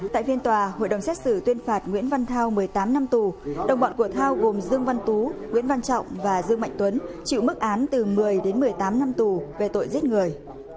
tại phiên tòa hội đồng xét xử tuyên phạt nguyễn văn thao một mươi tám năm tù đồng bọn của thao gồm dương văn tú nguyễn văn trọng và dương mạnh tuấn chịu mức án từ một mươi đến một mươi tám năm tù về tội giết người